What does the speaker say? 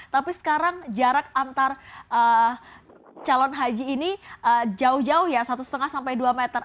tapi sekarang jarak antar calon haji ini jauh jauh ya satu lima sampai dua meter